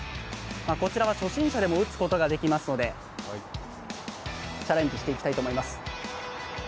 こちらは初心者でも打つことができますので、チャレンジしていきたいと思います。